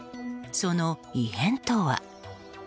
その異変とは。